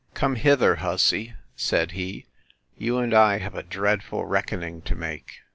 Come hither, hussy! said he: You and I have a dreadful reckoning to make.